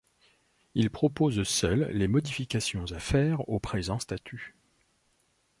Il propose seul les modifications à faire aux présents statuts.